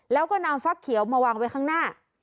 แล้วก็นำฟักเขียวมาวางไว้ข้างหน้า